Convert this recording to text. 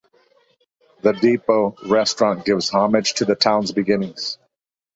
'The Depot' restaurant gives homage to the town's beginnings.